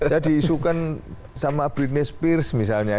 jadi isukan sama britney spears misalnya